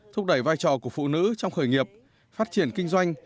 thúc đẩy vai trò của phụ nữ trong khởi nghiệp phát triển kinh doanh